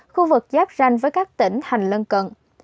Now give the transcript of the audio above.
khu vực giáp ranh với các tỉnh hành lân cận